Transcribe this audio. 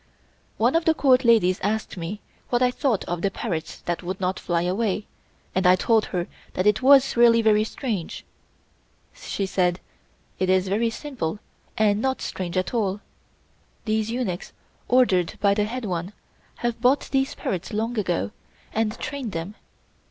One of the Court ladies asked me what I thought of the parrots that would not fly away, and I told her that it was really very strange. She said: "It is very simple and not strange at all. These eunuchs, ordered by the head one, have bought these parrots long ago and trained them.